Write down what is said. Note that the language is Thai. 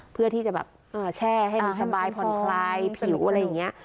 เพื่อที่จะแบบแช่ให้มันสบายผ่อนคลายผิวอะไรอย่างนี้